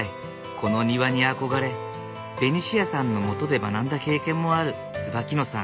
この庭に憧れベニシアさんのもとで学んだ経験もある椿野さん。